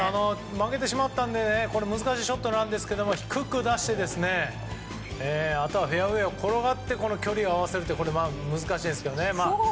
負けてしまったので難しいショットなんですけど低く出してあとはフェアウェーを転がって距離を合わせるというこれは難しいですけどね。